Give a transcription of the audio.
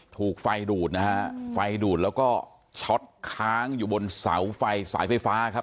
ถูกไฟดูดนะฮะไฟดูดแล้วก็ช็อตค้างอยู่บนเสาไฟสายไฟฟ้าครับ